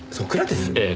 ええ。